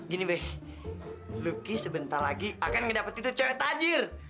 gini be luki sebentar lagi akan mendapat tito cewek tajir